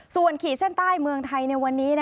ส่วนขีดเส้นใต้เมืองไทยในวันนี้